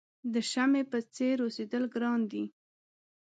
د شمعې په څېر اوسېدل ګران دي.